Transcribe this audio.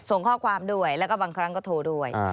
ส่งข้อความด้วยแล้วก็บางครั้งก็โทรด้วย